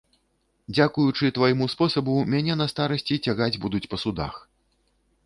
Дзякуючы твайму спосабу мяне на старасці цягаць будуць па судах.